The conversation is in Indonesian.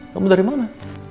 kamu dari mana